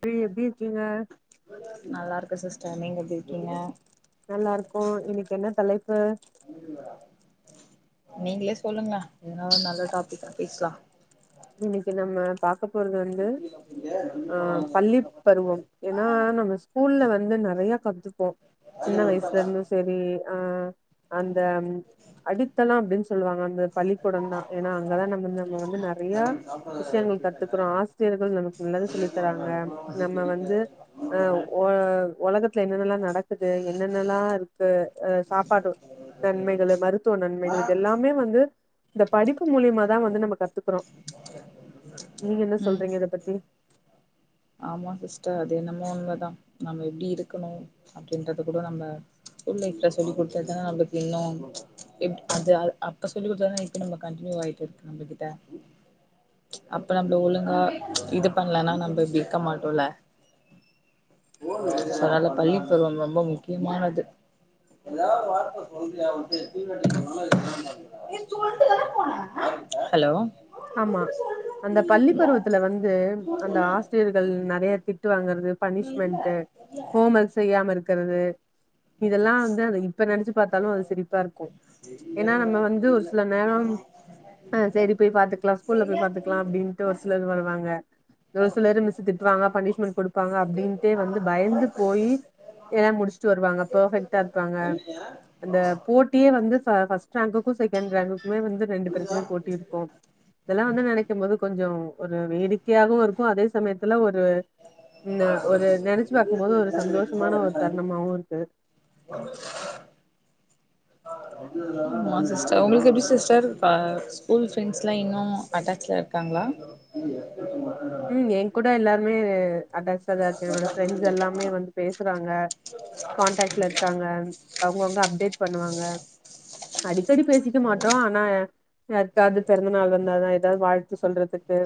பீ எப்டி இருக்கீங்க நல்லா இருக்க சிஸ்டர் நீங்க எப்டி இருக்கீங்க நல்லா இருக்கோ இன்னைக் என்ன தலைப்பு நீங்களே சொல்லுங்ல எதுனா ஒரு நல்ல டாபிக்கா பேஸ்லா இன்னிக்கு நம்ம பாக்க போறது வந்து ஆ பள்ளி பருவம் ஏன்னா நம்ம ஸ்கூல்ல வந்து நெறைய கத்துப்போ சின்ன வயஸ்ல இர்ந்து செரி ஆ அந்த ம் அடித்தளம் அப்டின் சொல்லுவாங்க அந்த பள்ளிக்கூடந் னதா ஏன்னா அங்கதா நம்ம நம்ம வந்து நெறைய விஷயங்கள் கத்துக்கிறோ ஆ சிரியர்கள் நமக்கு நல்லது சொல்லி தராங்க நம்ம வந்து அ ஒ ஒலகத் தில என்னென்னல்லா நடக்குது என்னென்னல்லா இருக் கு அ சாப்பாடு நன்மைகளு மருத்துவ நன்மைகள் இதெல்லாமே வந்து இந்த படிப்பு மூலியமா தா வந்து நம்ம கத்துக்குறோ நீங்க என்ன ம் சொல்றீங்க இத பத்தி ஆமா சிஸ்டர் அது என்னமோ உண்மதா நம்ம எப்டி இருக்கணு அப்படின்றது கூட நம்ம இல்ல இப்ப சொல்லி குடுத்ததா அவுளுக்கு இன்னு எப் அது அப்ப சொல்லி கொடுத்தாதா இப்ப நம்ம கண்டின்யூ ஆய்ட்ருக்கு நம்பகிட்ட அப்ப நம்ப்ள ஒழுங்கா இது பண்லனா நம்ப இப்டி இன்க்க மாட்டோல அதனால பள்ளி பருவம் ரொம்ப முக்கியமானது ஏதா வார்த்த சொல்ரியா அவிட்ட தீவட்ட சொ ஹலோ ஆமா அந்த பள்ளி பருவத்துல வந்து அந்த ஆ சிரியர்கள் நெறைய திட்டு வாங்கறது பனிஷ்மெண்ட்டு ஹோமர்க் செய்யாம இருக்கற [unintelligible] இதெல்லா வந்து அத இப்ப நெனச்சு பாத்தாலு அது சிரிப்பா இருக்கு ஏன்னா நம்ம வந்து ஒரு சில நேரோ ஆஹ் சரி போய் பார்த்துக்கலா ஸ்கூல்ல போய் பார்த்துக்கலா அப்படின்னு ஒரு சிலர் வருவாங்க ஒரு சிலரு மிஸ்ஸு திட்டுவாங்க பனிஷ்மெண் குடுப்பாங்க அப்டீன்ட்டே வந்து பயந்து போயி எல்லா முடிஷ்ட்டு வருவாங்க பேஃபெக்ட்டா இருப்பாங்க அந்த போ ட்டியே வந்து ஃப ஃபஸ்ட் ராங்க்குக்கு செகண்ட் ராங்குக்மே வந்து ரெண்டு பேருக்குமே போட்டி இருக்கு இதல்ல வந்து நெனைக்கும் போது கொஞ்ச ஒரு வேடிக்கையாகவு இருக்கு அதே சமயத்துல ஒரு ஒரு நெனச்சு பாக்கு போது ஒரு சந்தோஷமான ஒரு தருணமாவு இருக்கு ஆ ஆ சிஸர் ஒங்கல்க்கு எப்டி சிஸ்டர் ஸ்கூல் பிரன்ஸ் இன்னு அட்டாச்ல இருக்காங்களா ம் எ கூட லாருமே அட்டாச்லதான் இருகாங்க என்னோட ப்ரெண்ட்ஸ் எல்லாமே வந்து பேசுறாங்க கான்டாக்ட்ல இர்க்காங்க அவங்கவுங்க அப்டேட் பண்ணுவாங்க அடிக்கடி பேசிக்க மாட்டோ ஆனா யாருக்காது பெறந்தநாள் வந்தாதா ஏதாது வாழ்த்து சொல்றதுக்கு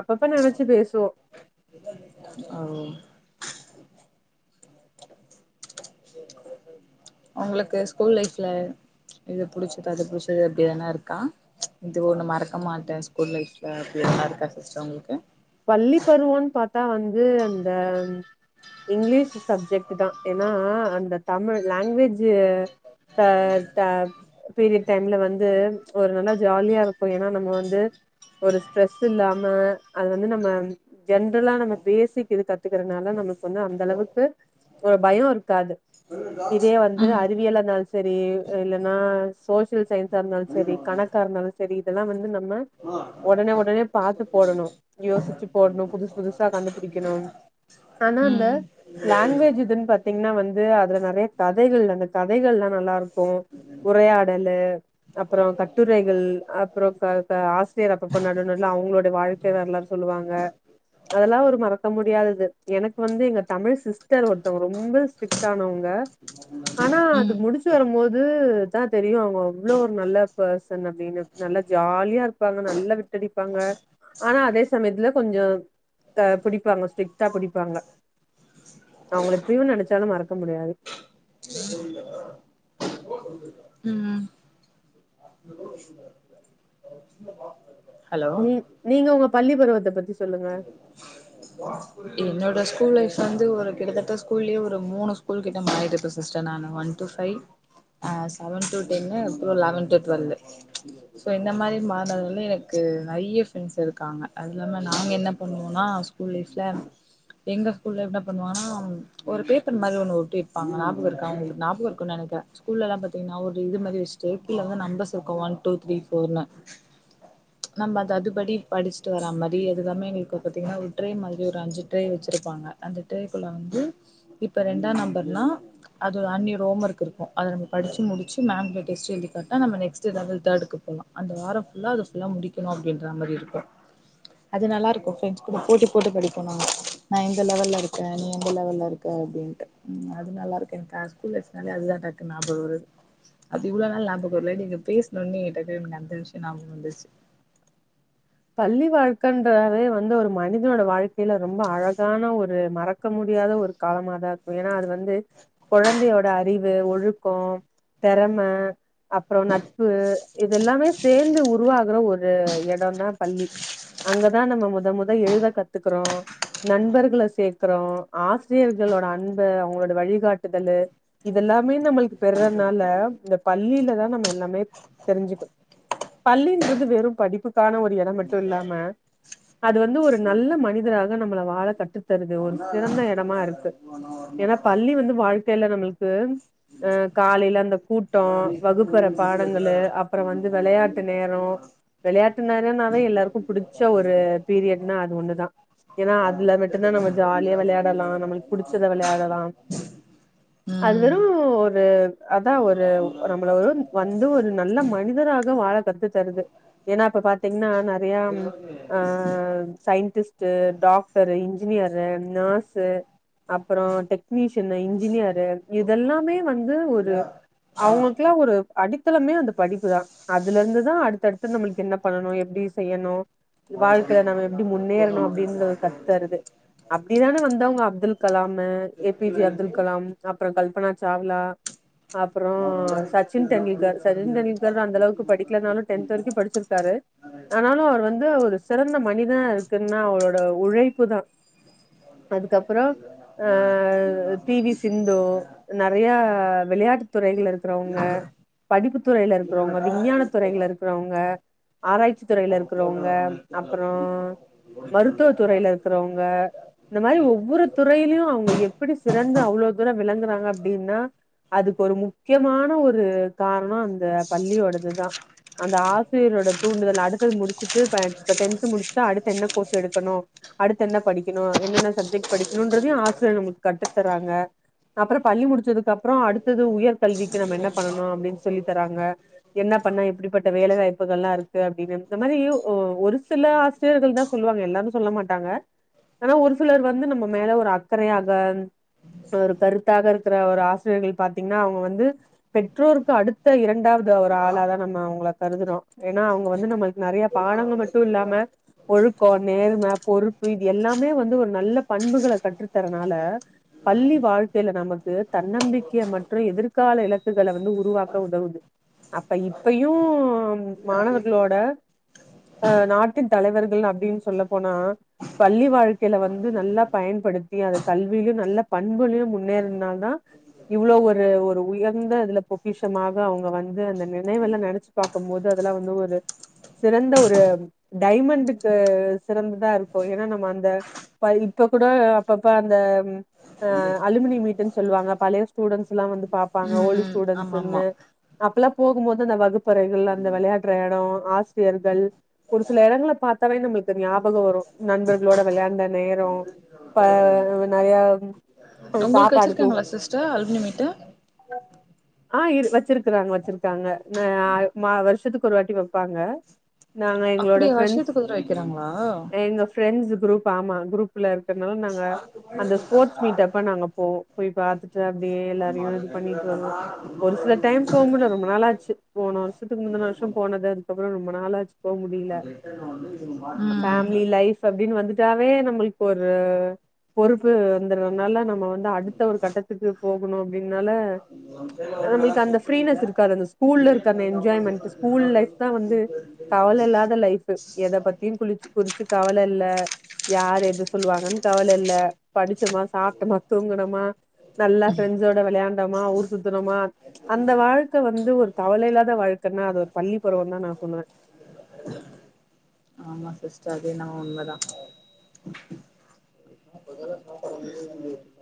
அப்பப்ப நெனச்சு பேசுவோ ஓ ஒங்களுக்கு ஸ்கூல் லைஃப்ல இது புடிச்சது அது புடிச்சது அப்டி எது இருக்கா இது ஒண்ணு மறக்க மாட்டே ஸ்கூல் லைப்ல அப்படி யானா இருக்கா சிஸ்டர் உங்கல்க்கு பள்ளி பருவம் பாத்தா வந்து அந்த இங்லீஷ் சப்ஜெக்ட் தா ஏனா அந்த தமிழ் லாங்குவேஜ் த ட பீரியட் டைம்ல வந்து ஒரு லா ஜாலியா இருக்கு ஏனா நம்ம வந்து ஒரு ஸ்ட்ரெஸ் இல்லாம அது வந்து நம்ம ஜென்ரலா நம்ம பேசி கத்துக்கறனால நம்மளு வந்து அந்த அளவுக்கு ஒரு பயோ இருக்காது இதே வந்து ம் அறிவியலா இருந்தாலு சரி இல்லன்னா சோசியல் சயின்ஸா இருந்தாலு சரி கணக்காக இருந்தாலு சரி இதெலா வந்து நம்ம ஒடனே ஒடனே பாத்து போடணு யோசிச்சு போடணு புதுசு புதுசா கண்டுபிடிக்கணு ஆனா அந்த ம் ம் லாங்குவேஜ் இதுன்னு பாத்தீங்னா வந்து அதுல நெறைய கதைகள் அந்த கதைகலா நல்லா இருக்கு உரை ஆடலு அப்ரோ கட்டுரைகள் அப்ரோ ஆசிரியர் அப்ப அப்ப நடுல வந்து அவங்களோடை வாழ்க் லாரும் சொல்லுவாங்க அதெலா ஒரு மறக்க முடியாதது எனக்கு வந்து எங்க தமிழ் சிஸ்டர் ஒருத்தவங்க ரொம்ப ஸ்ட் ஸ்டானவங்க ஆனா அது ம் முடிச்சு வரும்போது தா தெரியு அவங்க அவ்லோ ஒரு நல்ல பசன் அப்படினு நல்லா ஜாலியா இருப்பாங்க நல்லா விட்டடிப்பாங்க ஆனா அதே சமயத்துல கொஞ்ச புடிபாங்க ஸ்ட்க்டா புடிபாங்க அவுங்கள இபயு நெனைச்சாலு மறக்க முடியாது உ ஹலோ நீங்க உங்க பள்ளி பருவத்த பத்தி சொல்லுங்க என்னோட ஸ்கூல் லைஃப் வந்து ஒரு கிட்டத்தட்ட ஸ்கூல்யே ஒரு மூணு ஸ்கூல் கிட்ட மாரி இருப்ப சிஸ்டர் நானு ஒன் பைவ் சேவன் டூ டென்னு அப்புறோ லெவன் டூ டு்வெல்லு சோ இந்த மாதிரி மாறதுல எனக்கு நைறைய பிரண்ட்ஸ் இருக்காங்க அது இல்லாம நாங்க என்ன பண்ணுவோனா புரில்ஸ்ல எங்க ஸ்கூல்ல என பண்ணுவாங்கனா ஒரு பேப்பர் மாறி ஒண்ணு ஒட்டி இருப்பாங்க ஞாபக இருக்கா உங்களுக் ஞாபக இருக்கும்னு நினைக்குறே ஸ்கூல்ல எல்லா பாத்தீங்கன்னா ஒரு இது மாதிரி வச்சிட்டு கீழ வந்து நம்பர்ஸ் இருக்கு ஒன் டூ த்ரீ ஃபோர்னு ச்சு நம்ம அது அதுபடி படிச்சுட்டு வரமாதி அதுதாமே எங்களுக்கு பாத்தீங்கன்னா ஒரு ட்ரே மாதிரி ஒரு அஞ்சு ட்ரே வச்சிருப்பாங்க அந்த ட்ரேக்குள்ள வந்து இப்ப ரெண்டா நம்பர்னா அது ஒரு அநியர் ரோம் ஒர்க் இருக்கு அத நம படிச்சு முடிச்சு மேம்கிட்ட டெஸ்ட் எழுதி காட்ட நம்ம நெஸ்ட லெவல் தேர்டுக்கு போலா அந்த வாரம் ஃபுல்லா அது ஃபுல்லா முடிக்கணு அப்டின்ற மாதிரி இருக்கு அது நல்லா இருக்கு ஃபிரண்ட்ஸ் கூட போட்டி போட்டு படிப்போ நாங்க நான் இந்த லெவல்ல இருக்கே நீ எந்த லெவல்ல இருக்க அப்டின்ட்டு ம் அது நல்லா இருக்கேன் கா ஃபுல் எக்ஸ் நல்லா எழுதாங்காட்டி ஞாபக வருது அது இவ்ளோ நாள் ஞாபக வரல நீங்க பேசுனவுனே டக்குனு அந்த விஷய ஞாபக வந்துருச்சு பள்ளி வாழ்க்கன்றாவே வந்து ஒரு மனிதனோட வாழ்க்கையில ரொம்ப அழகான ஒரு மறக்க முடியாத ஒரு காலமாதா இருக்கு ஏன்னா அது வந்து கொழந்தையோட அறிவு ஒழுக்கோ தெறம அப்ரோ நட்பு இத எல்லாமே சேர்ந்து உருவாகற ஒரு எடம் தா பள்ளி அங்கதா நம்ம மொத மொத எழுத கத்துக்குறோ நண்பர்கள சேர்க்கறோ ஆசிரியர்களோட அன்பு அவங்களோட வழிகாட்டுதலு இதெல்லாமே நம்மளுக்கு பெறனால இந்த பள்ளியில தா நம்ம எல்லா மே தெரிஞ்சுக்க பள்ளின்றது வெறு படிப்புக்கான ஒன் அத மட்டு இல்லாம அது வந்து ஒரு நல்ல மனிதராக நம்மள வாழ கட்டு தருது ஒரு அவனா சிறந்த இடமா இருக்கு வருவானா ஏன்னா வரமாட்டானா பள்ளி ஒன்னும் வந்து வாழ்க்கையில நம்ளுக்கு அ புரியல காலையில அந்த கூட்டோ ஆனா நீ போன் பண்ணி வகுப்பற முடியல பாடங்கலு சார் அப்ரோ மூணு வந்து நாள்ல விளையாட்டு வந்துருவ நேரோ அப்டின்னா விளையாட்டு நேரனாவே வீட்ல எல்லாருக்கு வந்து புடிச்ச பத்தா ஒரு இருபதா பீரியட்ன்னா அது வரமாட்டாங்க ஒண்ணுதா ஏன்னா அதா அதுல்ல மட் டுதா நம்ம கேட்டுக்கோங்க வரியா ஜாலியா விளையாடலா வரலையா இல்ல வேற நம்ளுக்கு எதனா ஆள் புடிச்சத விட்டா விளையாடலா மாட்டிக்க அது ம் வெறு ஒரு அதா நம்ம ஒரு அவனுக்காக நம்மள ஒரு பாத்துந்தா வந்து எல்லாரையு ஒரு போட்டு நல்ல மனிதராக வாழ கத்து தருது ஏன்னா இப்ப பாத்தீங்கன்னா நெறையா இது ஆ okay scientist doctor engineer nurse அப்ரோ டெக்னீஷியன்னு இன்ஜினியரு இதெல்லாமே வந்து ஒரு இல்லையா ஆ அவங்களுக்குல்லா ஒரு அடித்தளமே அந்த படிப்பு தா அதுல இருந்து தா அடுத்தடுத்து நம்ளுக்கு என்ன பண்ணனு எப்டி செய்யணு அது வாழ்க்கையில நம்ம பண்ணுங்க எப்டி அது போட்டோ முன்னேறணு மட்டு அப்டின்றத எடுத்து கத்துதருது அப்படிதானே வந்தவங்க அப்துல் கலாம்மு ஏ செக் பி ஜே பண்ணிங்களா அப்துல் இன்னைக்கு கலாம் அப்ரோ கல்பனா சாவ்லா அப்ரோ சச்சின் டெண்டுல்கர் சச்சின் டெண்டுல்கர் அந்த அளவுக்கு படிக்கலனாலு டென்த் வரைக்கு படிச்சிரு காரு ஆனாலு அவர் வந்து ஒரு சிறந்த மனிதா இருக்குன்னா அவரோட உழைப்பு தா அதுக்கப்புறோ [unintelligible] ஆ பி வி சிந்து நெறையா விளையாட்டு துறைகள்ல இருக்கறவங்க படிப்பு துறையில இருக்கிறவங்க விஞ்ஞான துறைகள்ல இருக்கிறவங்க ஆராய்ச்சி துறையில இருக்கிறவங்க அப்ரோ மருத்துவ துறையில இருக்கிறவங்க இந்த மாரி ஒவ்வொரு துறையிலயு அவங்க எப்டி சிறந்து அவ்ளோ தூரோ விளங்கறாங்க அப்டின்னா அதுக்கு ஒரு முக்கியமான ஒரு காரணோ அந்த பள்ளியோடதுதா அந்த ஆசிரியரோட தூண்டுதல் அடுத்தது முடிச்சுட்டு இப்ப இப்ப டென்து முடிச்சுட்டா அடுத்து என்ன கோர்ஸ் எடுக்கணு அடுத்து என்ன படிக்கணு என்னென்ன சப்ஜெக்ட் படிக்கணுன்றதையு ஆசிரியர் நம்ளுக்கு கத்து தர்றாங்க அப்ரோ பள்ளி முடிச்சதுக்கு அப்ரோ அடுத்தது உயர்கல்விக்கு நம்ம என்ன பண்ணணு அப்டின்னு சொல்லி தராங்க என்ன பண்ணா இப்டிப்பட்ட வேலைவாய்ப்புகலா இருக் இது அப்டின்னு இந்த மாரி ஒரு சில ஆசிரியர்கள் தா சொல்லுவாங்க எல்லாரு சொல்ல மாட்டாங்க ஆனா ஒரு சிலர் வந்து நம்ம மேல ஒரு அக்கறையாக ஒரு கருத்தாக இருக்கிற ஒரு ஆசிரியர்கள் பாத்தீங்னா அவங்க வந்து பெற்றோருக்கு அடுத்த இரண்டாவது ஒரு ஆளா தா நம்ம அவுங்கள கருதுறோ ஏனா அவங்க வந்து நம்மளுக்கு நறைய பாடங்கள் மட்டு இல்லாம ஒழுக்கம் நேர்ம பொறுப்பு இது எல்லாமே வந்து ஒரு நல்ல பண்புகள கற்று தறனால பள்ளி வாழ்க்கையில நமக்கு தன்னம்பிக்கை மற்றும் எதிர்கால இலக்குகள வந்து உருவாக்க உதவு அப்ப இப்பையு மாணவர்களோட அ நாட்டு தலைவர்கள் அப்டின்னு சொல்ல போனா பள்ளி வாழ்க்கையில வந்து நல்லா பயன்படுத்தி அத கல்வியிலு நல்ல பண்புளையு முன்னேற்னால் தா இவ்ளோ ஒரு ஒரு உயர்ந்த இதுல பொக்கிஷமாக அவுங்க வந்து அந்த நினைவெல்லா நினச்ச பார்க்கும் போது அதெல்லா வந்து ஒரு சிறந்த ஒரு டைமண்டுக்கு சிறந்ததா இருக்கு ஏன்னா நம்ம அந்த இப்ப கூட அப்பப்ப அந்த அ அலுமினிய மீட்ன்னு சொல்லுவாங்க பழைய ஸ்டூடெட்ஸ் எல்லா வந்து பாப்பாங்க ஓல்டு ம் ஆமா ஆமா ஸ்டூடெட்ஸ்ன்னு அப்பெல்லா போகும்போது அந்த வகுப்பறைகள் அந்த விளையாடுற இடம் ஆசிரியர்கள் ஒரு சில இடங்கள பார்த்தாவே நம்மளுக்கு ஞாபகம் வரு நண்பர்களோட விளையாண்ட நேரோ இப்ப நறையா உங்களுக்கு வச்சுருக்காங்ளா சிஸ்டர் அலுமினி மீட்டு ஆ வச்சிருக்கறாங்க வச்சிருக்காங்க நா வருஷத்துக்கு ஒரு வாட்டி வப்பாங்க நாங்க எங்களோட அப்டியா ஃப்ரெண்ட்ஸ் வருஷத்துக்கு ஒரு தடவ வைக்கிறாங்களா எங்க ப்ரெண்ட்ஸ் குரூப் ஆமா குரூப்ல இருக்கனால நாங்க அதுக்கு முன்னாடி அந்த ஸ்போர்ட்ஸ் சொல்ட்டாங்களா மீட் அப்ப நாங்க போவோ போய் பார்த்துட்டு அப்டியே ஆமா எல்லாரையு அது இது ஆக்சுவலா பண்ணிட்டு வருவோ என்னன்னா ஒரு இன்னொரு சில ஐடியா டைம் போகமுடில இன்னொரு ரொம்ப நாளாச்சு போன வருஷ த்துக்கு முந்தின ரிட்டர்ன் வருஷம் பண்ணோ போனது அதுக்கப்றோ ரொம்ப நாளா ஆச்சு போக முடியல ரிட்டனு வந்து மாத்தி குடுத்து ஃபேமிலி விட்டாங்க லைஃப் அப்டின்னு வந்துட்டாவே நம்மளுக்கு ஒரு பொறுப்பு வந்துறதுனால நம்ம வந்து அடுத்த ஒரு கட்டத்துக்கு போகணு அப்டின்னால நீங்க உங்க சைடுல ஒரு நல்லா நம்மளுக்கு அந்த செக் பண்ணீங்க ஃப்ரீனஸ் இருக்காது அந்த ஸ்கூல்ல இந்தியன் இருக்க bank account enjoyment difference school இருந்தா லைஃப் சொல்லுங்க தான் வந்து திருப்பி வருதுன்னு சொல்லி திருப்பி கவல இல்லாத வச்சிருவாங்க லைஃப்பு எத பத்தியும் குளிச்சு குளிச்சு கவல இல்ல யார் எது சொல்லுவாங்கன் கவல இல்ல படிச்சோமா சாப்ட்டமா தூங்கணமா நல்லா ஃப்ரெண்ட்ஸோட விளையாண்டோமா ஊர் சுத்தனோமா அந்த வாழ்க்க வந்து ஒரு கவலயில்லாத வாழ்க்கன்னா அது ஒரு பள்ளி பருவம் தா நா சொல்லுவ ஆமா சிஸ்டர் அதே என்னமோ உண்மதா [inaudible]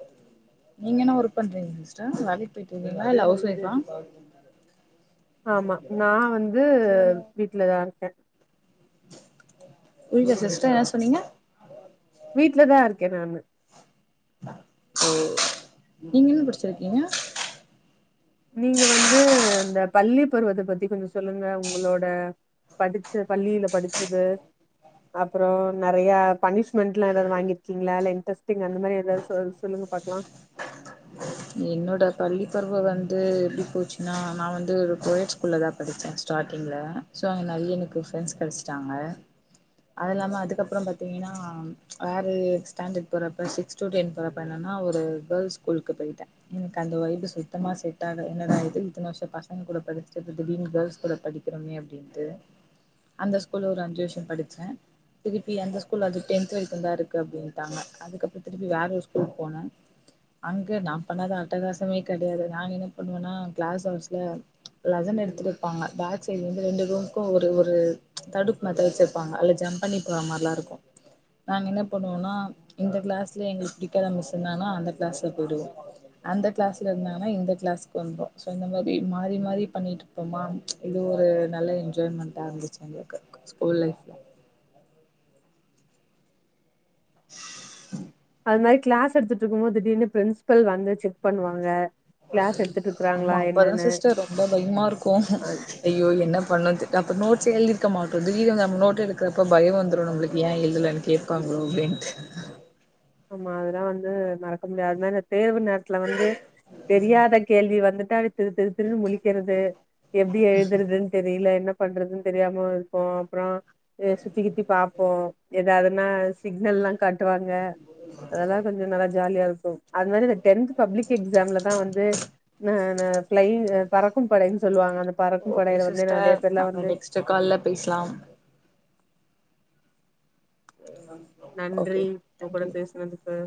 நீங்க என்னா ஒர்க் பண்றீங்க சிஸ்டர் வேலைக்கு போயிட்டு இருக்கீங்ளா இல்ல ஹவுஸ் ஒயிஃப்பா ஆமா நா வந்து வீட்ல தா இருக்க புரில சிஸ்டர் என்ன சொன்னீங்க வீட்ல தா இருக்க நானு ம் நீங்க என்ன படிச்சிருக்கீங்க நீங்க வந்து இந்த பள்ளி பருவத்த பத்தி கொஞ்சோ சொல்லுங்க உங்களோட படிச்ச பள்ளியில படிச்சது அப்றோ நறைய பனிஷ்மெண்ட்லா எதாவது வாங்கிருக்கீங்ளா இல்ல இன்ட்ரெஸ்டிங் அந்த மாரி ஏதாது சொல் சொல்லுங்க பாக்கலா என்னோட பள்ளி பருவ வந்து எப்டி போச்சுன்னா நா வந்து ஒரு கோயட் ஸ்கூல்ல தா படிச்சே ஸ்டார்டிங்ல சோ அங்க நெறைய எனக்கு ஃப்ரெண்ட்ஸ் கெடச்ட்டாங்க அது இல்லாம அதுக்கப்றோ பாத்தீங்கன்னா வேறு ஸ்டாண்டட் போறப்ப சிக் ஸ் டூ டென் போறப்ப என்னன்னா ஒரு கேள்ஸ் ஸ்கூலுக்கு போய்ட்டே எனக்கு அந்த வய்பு சுத்தமா செட் ஆகல என்னடா இது இத்தன வர்ஷோ பசங்க கூட படிச்சுட்டு இப்ப திடீர்னு கேள்ஸ் ஸ்கூல்ல படி திறமே அப்டின்ட்டு அந்த ஸ்கூல்ல ஒரு அஞ்சு வர்ஷோ படிச்சே திருப்பி அந்த ஸ்கூல்ல அது டென்த் வரைக்கு தா இருக்கு அப்டின்ட்டாங்க அதுக்கப்றோ திருப்பி வேற ஒரு ஸ்கூலுக்கு போன அங்க நா பண்ணாத அட்டகாசமே கெடையாது நாங்க என்ன பண்ணுவோன்னா கிளாஸ் ஹவர்ஸ்ல லசன் எடுத்து இருப்பாங்க பேக் சைட்லந்து ரெண்டு ரூம்க்கு ஒரு ஒரு தடுப்பு மாத்த வச்சிரு ருப்பாங்க அதுலா ஜம்ப் பண்ணி போற மாரிலா இருக்கு நாங்க என்ன பண்ணுவோன்னா இந்த கிளாஸ்ல எங்களுக்கு பிடிக்காத மிஸ் இருந்தாங்கன்னா அந்த கிளாஸ்ல போயிடுவோ அந்த கிளாஸ்ல இருந்தாங்கனா இந்த கிளாஸ்க்கு வந்துருவோ சோ இந்த மாரி மாறி மாறி பண்ணிட்ரு ப்போமா இது ஒரு நல்ல என்ஜாய்மெண்ட்டா இருந்துச்சு எங்களுக்கு ஸ்கூல் லைஃப்ல அது மாரி கிளாஸ் எடுத்துட்டு இருக்கும் போது திடீர்னு பிரின்ஸ்பல் வந்து செக் பண்ணுவாங்க கிளாஸ் எடுத்துட்டு ஆமா இருக்கறாங்களா அப்பதா என்னன்னு சிஸ்டர் ரொம்ப பயமா இருக்கு அது ஐயோ என்ன பண்ணுத்து அப்போ நோட்ஸ்சே எழுதிருக்க மாட்டோ தீடீர்னு வந்து நம்ம நோட் எடுக்கிறப்ப பயம் வந்துரு நம்ளுக்கு ஏன் எழுதலனு கேப் பாங்லோ அப்டிண்ட்டு ஆமா அதெல்லா வந்து மறக்க முடியாதனேத் தேர்வு நேரத்துல வந்து தெரியாத கேள்வி வந்துட்டாவே திரு திரு திருனு முழிக்கிறது எப்டி எழுறதுன்னு தெரியல என்ன பண்றதுன்னு தெரியாம இருப்போ அப்றோ இது சுத்தி கித்தி பாப்போ ஏதாவதுன்னா சிக்னல்லா காட்டுவாங்க ஆ அதெல்லா கொஞ்சோ நல்லா ஜாலியா இருக்கு அது மாரி இந்த டென்த் பப்ளிக் எக்ஸாம்ல தா வந்து நா நா ஃபிலை பறக்கும் படைனு சொல்லுவாங்க அத ஓகே சிஸ்டர் நம்ம நெக்ஸ்ட்டு கால்ல பேசலாம் சேரி நன்றி ஓகே உங்க கூட தேங்க்யூ பேசினதுக்கு